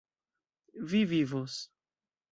Vi vivos.